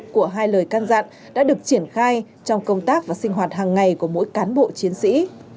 của hai lời can dặn đã được triển khai trong công tác và sinh hoạt hàng ngày của mỗi cán bộ chiến sĩ